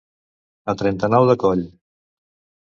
A trenta-nou de coll.